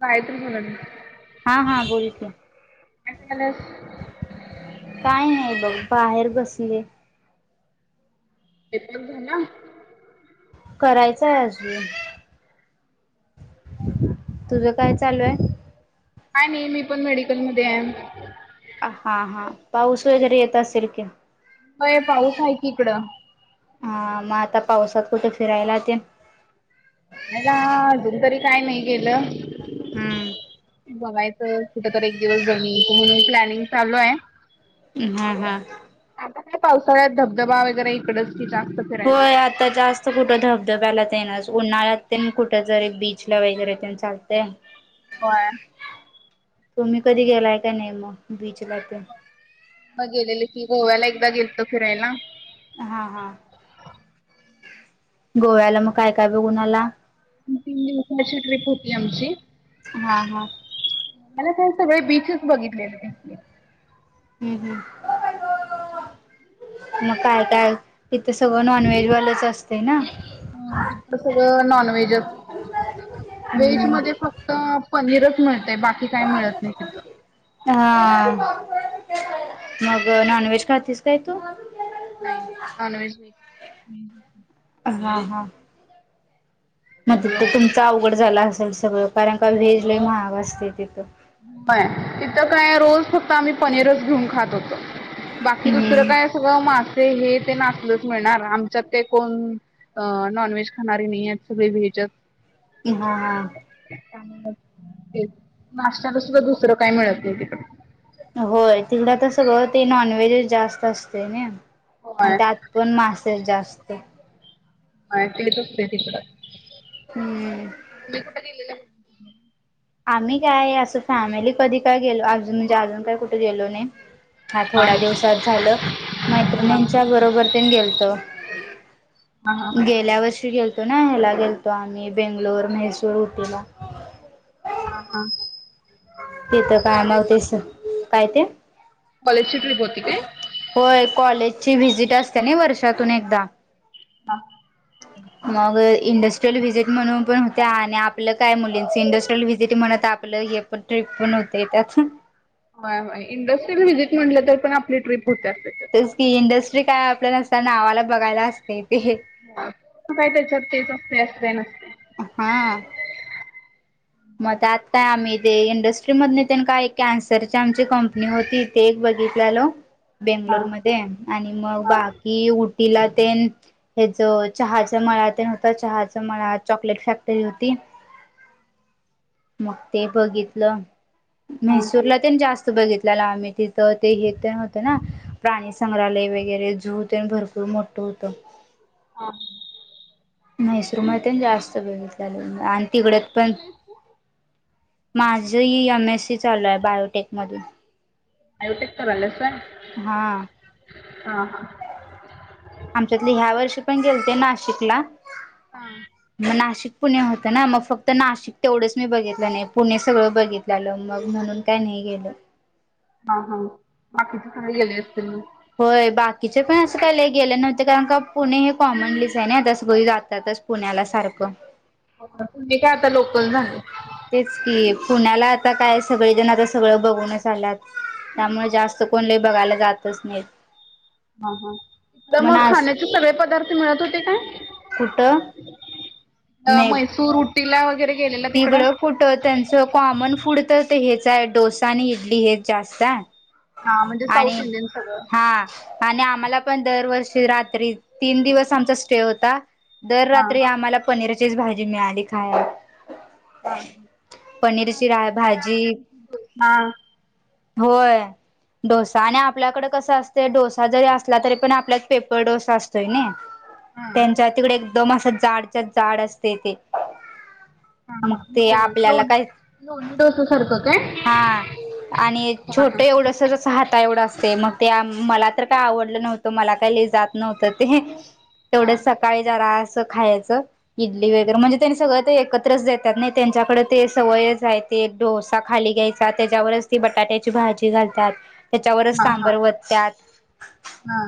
काय त म्हणा हा हा बोलते करायल्यास? काय नाही बघ बाहेर बसले तेेत झाला करायचंय अजून. तुझं काय चालू आहे. काय नाही मी पण मेडिकलमध्येध्ये आहे. हा हा पाऊस वगैरे येत असेल कि. होय पाऊस आहे क इकडं. हा म आता पावसात कुठे फिरायलाते. मला अजून तरी काय नाही केेलं. हम्म. बघायचं कुठ तर एक दिवस जऊन म्हणून प्लॅनिंग चालू आय. हम् हां हां. पावसाळ्यात धबधबा वगैरे इकडच. की जास्त फिरायला. होय, आता जास्त कुठं धबधब्यालात येणार. उन्हाळ्यात तेन कुठ जरी बीचला वेगेरे त्यांच असतेय. बाय. तुम्ही कधी गेलाय का नाही म बीचला ते. म गेलेले की गोव्याला एकदा गेलतो फिरायला. हां हा गोव्याला म काय काय बघूनाला. तीन दिवसाची ट्रिप होती आमची. हा हा. मला काय सगळे बीचस बघितले. हम्म हम्म. [unintelligible] म काय काय तिथं सगळं नॉन व्हेजवालंच असते ना. तथ सगळं नॉन व्हेजच व्हेज हम्म मध्ये फक्त. पनीरच म्हण हां. मग नॉन व्हेज खातीस काय तू. हम्. हा हा. मग त तुमच अवघड झाल असेल सगळं कारण का व्हेज लय महाग असते तिथं. होय, तिथं काय रोज. फक्त आम्ही पनीरच घेऊन खात होतो बाकी दुसरं हम्म काय सगळं माग. ते हे तेना आसलंच मिळणार आमच्यात ते कोण अ नॉनव्हेज खाणारे नाही आहेत सगळे व्हेज. जग. ई हा हा. नाश्त्याला सुद्धा दुसरं काय मिळत नाही तिकडं. सरळ ते नॉनव्हेजच जास्त असते ना आणि होय त्यात पण मा तेल जास्त. हा चलीप [unintelligible] त कड हम्म. तुम्ही कुठ गेलल्या. आम्ही काय असं फॅमिली कधी काय गेलो अज म्हणजे अजून काय कुठे गेलो नाही. हा थोडा दिवसात झालं हा हा मैत्रिणींच्या हा बरोबर ते गेलत. हा. गेल्या वर्षी गे. तो ना ह्याला गेलतो आम्ही बेंगलोर म्हैसूर उटीला. हा हा. तिथं काय मग तेस काय ते. बच. होय कॉलेजची व्हजिट असते नय वर्षातून एकदा. मग इंडस्ट्रियल व्हजिट म्हणून पण त्या आणि आपल्यात काय मुलींच इंडस्ट्रीियल व्हिजिट म्हणत आपलं हे पण ट्रीप पण होतय त्यात. वय होय इंडस्ट्रीियल व्हिजिट म्हटलं तर पण आपली ट्रीप तेस की इंडस्ट्री काय आपल्याला स नावाला बघायला असते. ते काय तेच्यात तेच अस असते ना. हा. म काय आत्ता आम्ही ते इंडस्ट्री मधन त्यान काय कॅन्सरची आमची कंपनी होती ते एक ब बघितलेलो हा बेंगलोर मध्ये आणि म हा बाकी उटीला तेन हेच चहाच्या मळ्यात न होता चहाचा मळा चॉकलेट फॅक्टरी होती. ह,, [inaudible] मग ते बघितलं हा म्हैसूरला तेन जास् बघितलेला आम्ही तिथं ते होत ना प्राणी संंग्रहालय वगैरे जू भरपूर मोठ होत हा म्हैसरू म जास्त बेघितलं आणि तिकडत पण माझंही एमएससी चालू आहे बायोटेक मधून टेक्तार ल सग हा आमच्यातले ह्या वर्ष पण गे नाशिकला हा हा नाशिक पुणे होतं ना मग फक्त नाशिक तेवढंच मी बघितलं नाही पुणे सगळं बघितलं आलं मग म्हणून काय नाही गलं हा हा बाकी त काही गेले असतील म होय बाकीचे पण असं काय गेले नव्हते कारण का पुणे हे कॉमनलीच आहे आता सग जात त्यातच पुण्याला सारखं हो तुम्ही काय आता लोकल झाले तेच की पुण्याला आता काय सगळेजण आता सगळं बघूनच आल्यात त्यामुळे जास्त कोण लय बघायला जातच नाही हा हा इ मग नाश खाण्याचे सगळे पदार्थ मिळत होते काय [inaudible] म्हैसूर उटीला वगैरे गेलेला तिकड तिकडं? कुठ त्यांच कॉमन फूड हेच आहे डोसा आणि इडली हेच जास्त आहे हा म्हणजे साऊथ आणि इंडियन सगळं हा आणि आम्हाला पण दरवर्षी रात्री तीन दिवस आमचा स्टे होता दर हा रात्री आम्हाला पनीरचीच भाजी मिळाली खाय हा ह भाजी हा होय डोसा आणि आपल्याकडे कसं असतं डोसा जरी असला तरी पण आपल्यात पेपर डोसा असतोय नाही हा त्यांच्या तिकडे एकदम असं जाडच्या जाड असते ते हा मग हा. इडली ते आपल्याला काय डोसा सारखं काय? हा आणि हा छोट हा एवढंस जस हाता एवढं असते मग ते मला तर काय आवड आवडलं नव्हतं मला काही जात नव्हतं ते हा तेवढं सकाळी जरा असं खायचं इडली वगैरे म्हणजे त्यांनी सगळं ते एकत्रच देतात नाही त्यांच्याकडे ते सवयच आहे ते डोसा खाली घ्यायचा त्याच्यावरच ती बटाट्याची भाजी घालतात त्याच्यावरच हा हा सांबर वततात हा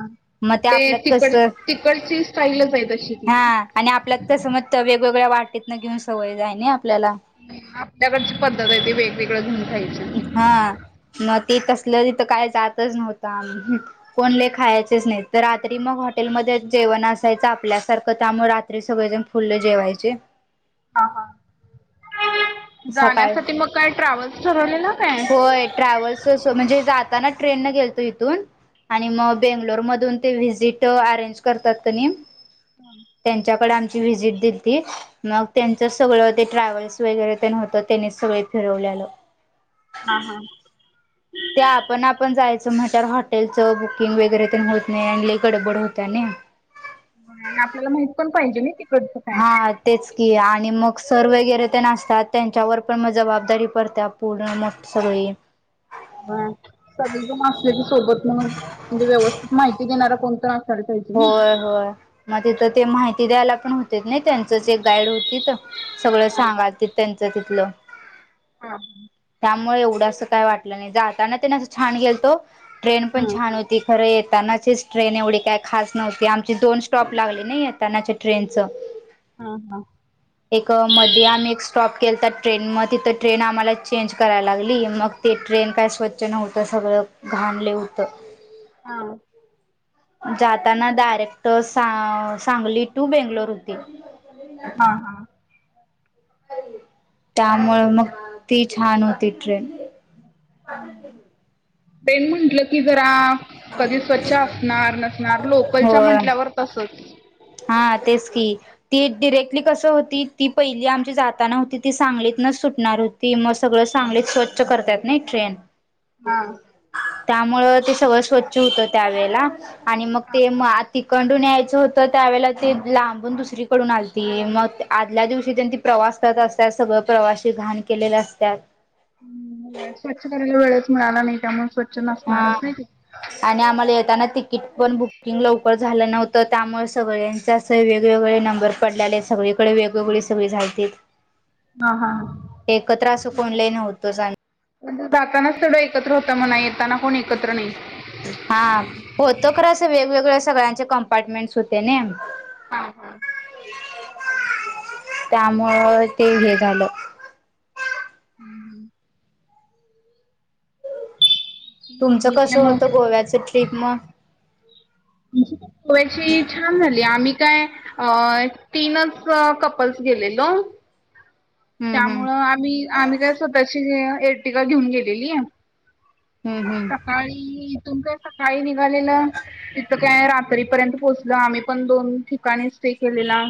मग ते आपल्या कस तिकड तिकडची स्टाईलच आहे तशी ती हा आणि आपल्या कसं म वेग वेगवेगळ्या वाटीत न घेऊन सवय जाय आपल्याला आपल्याकडची पद्धत आहे त ते वेगवेगळ हा म ते तसलं तिथं काय जातच नव्हता कोणले खायचेच नाही तर रात्री मग हॉटेलमध्ये जेवण असायचं आपल्यासारखं त्यामुळे रात्री सगळेजण फुल जेवायचे हा हा सकाळ जाण्यासाठी मग काय ट्रॅव्हल्स ठरवलेला काय होय ट्रॅव्हल्स म्हणजे जात होता ना ट्रेन न गेलतो इथून आणि मग बेंगलोर मधून ते व्हिजिट अरेंज करतातनी त्यांच्याकडे आमची विजिट दिलती मग त्यांच सगळं ते ट्रॅव्हल्स वैगेरे होत त्यांनी सगळे फिरवल्यालं हा हा ते आपण आपण जायचं म्हटल्यावर हॉटेलचं बुकिंग वगैरे होत नाही आणि गडबड होत नाही आपल्याला माहित पण पाहिजे ना ते हा तेच की आणि आणि मग सर वगैरे ते असतात त्यांच्यावर पण मग जबाबदारी पडतीया पूर्ण मोठ सगळी सगळीजण असले त सोबत मग म्हणजे व्यवस्थित माहि होय, होय मग तिथं ते माहिती द्यायला पण होते ना त्यांचच एक गाईड होतीत सगळं ना सांगाल ति त्यांचं तिथलं हा त्यामुळे एवढं जास्त काय वाटलं नाही जाताना छान गेलतो ट्रेन पण हा छान होती खर येतानाचीच ट्रेन एवढी काय खास नव्हती आमची दोन स्टॉप लागले नाही येतानाच्या ट्रेनच हा एक मध्ये आम्ही एक स्टॉप केला तर ट्रेन म तिथं ट्रेन आम्हाला चेंज करायला लागली मग ते ट्रेन काय स्वच्छ नव्हतं सगळं घाण लय होतं हा जाताना डायरेक्ट सांग सांगली टू बेंगलोर होती हा, हा त्यामुळे मग ती छान होती ट्रेन ट्रेन म्हंटलं की जरा कधी स्वच्छ असणार नसणार लोकलच्या होय म्हंटल्यावर तसच हा तेच की ती डिरेक्टली कसं होती ती पहिली आमची जाताना होती ती सांगली सुटणार होती मग सगळ सांगलीत स्वच्छ करतात ना ट्रेन हा त्यामुळं ते सगळं स्वच्छ होतं त्यावेेळेला आणि मग ते म तिखंडून यायचं होत तर त्यावेेळे ते लांबण दुसरीकडून आलते मग आदल्या दिवशी त्यां त प्रवास करत असत सगळं प्रवासी घाण केलेल्या असतात स्वच्छ करायला वेळच मिळाला नाही त्यामुळे स्वच्छ हा नसणारच नाही ते. आणि आम्हाला येताना तिकीट पण बुक बुकिंग लवकर झालं नव्हतं त्यामुळे सगळ्यांच्या अस वेगवेगळे नंबर पडलेले आहेत सगळीकडे वेगवेगळे सगळी झालतीत हा हा. एकत्र असं कोण लय नव्हतोच आम्ही म्हणजे जातानाच तेवडं एकत्र होता मणा येताना कोण एकत्र नाही तर खर असं वेगवेगळ्या सगळ्यांचे कंपार्टमेंट होते न हा, हा त्यामुळे ते हे झालं तुमचं ठीक कसं आहे मग होतं गोव्याचं ट्रिप मग आमची पण गोव्याची छान झाली आम्ही काय अ तीनच कपल्स गेलेलो हम्म हम्म त्यामुळे आम्ही, आम्ही काय स्वतःची एरटिका घेऊन गेलेली हम्म सकाळी इथून काय सकाळी निघालेलं तिथं काय रात्रीपर्यंत पोहोचलं आम्ही पण दोन ठिकाणी स्टे केलेला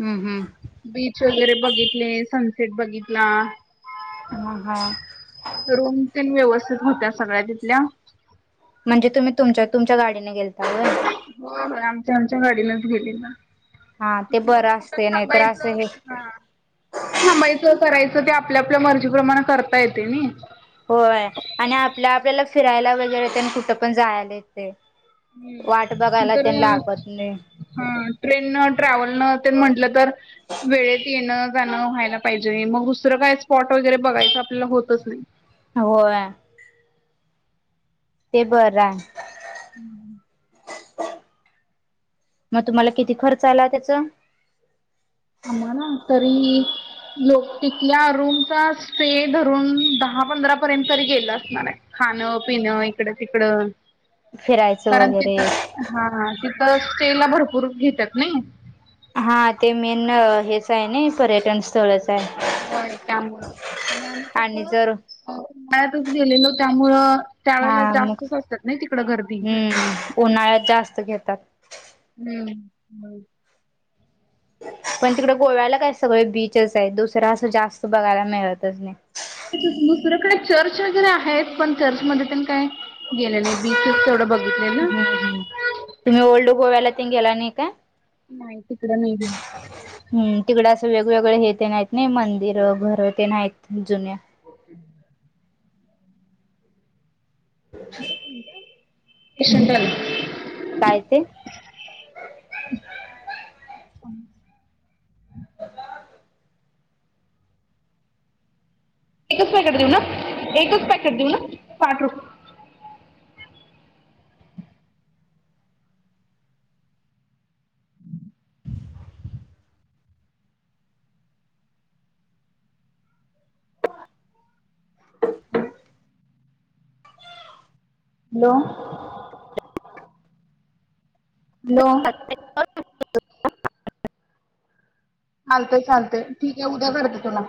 हम्म हम्म बीच वगैरे बघितले सनसेट बघितला म हा रूम तेन व्यवस्थित होत्या सगळ्या तिथल्या म्हणजे तुम्ही तुम तुमच्या गाडीने गेलता होय हो, हो आमच्या, आमच्या गाडीनेच गेलेलो हा ते बरं कुठ असते नाहीतर असं थांबायचं, हे थांबायचं करायचं ते आपल्या, आपल्या मर्जीप्रमाणे करता येतय नाही होय आणि आपल्या आपल्याला फिरायला वगैरे येत आणि कुठं पण जायला येतय हम्म नंतर नाही हा ट्रेन न ट्रॅव्हल न ते म्हटलं तर वेळेत येणं व्हायला पाहिजे मग दुसरं काय स्पॉट वगैरे बघायचं आपल्याला होतच नाही होय ते बर हम्म मग तुम्हाला किती खर्च आला त्याचा ना तरी लोक तिकल्या रूमचा स्टे धरून दहा दहा पंधरा पर्यंत तरी गेलं असणार आहे खाणं पिण इकड तिकडं फिरायचं कारण वगैरे तिथं हा तिथं स्टेल ला भरपूर घेतात नाही काय नाही हा पर्यटन स्थळच होय आहे त्यामुळं आणि आम्ही आणि कसं जर अ उन्हाळ्यातच गेलेलो त्यामुळं त्यावेळेला हा मग जास्तच असतात नाही तिकडं गर्दी. हम्म उन्हाळ्यात जास्त घेतात. हम्, पण तिकड गोव्याला काय सगळे बीचेस आहेत दुसर असं जास्त बघायला मिळतच नाही. [unintelligible] दुसरकडे चर्च वगैरे आहेत पण चर्च मध्ये काय गेले नाही बीचस तेवढ बघ हम्, हम् तुम्ही ओल्ड गोव्याला तेन गेला नाही काय? नाही तिकडे नाही गेलं हम्, तिकड असं वेग वेगवेगळे हे तेन हाइत नाही मंदिर, घर तेन हाईत जुन्या [inaudible] [unintelligible] टन काय ते [unintelligible] [inaudible] एकच पॅकेट देऊ ना एकच पॅकेट देऊ ना साठ रुप हॅलो. हॅलो. हॅलो. चालतय चालतय ठीक हे उद्या करते तुला.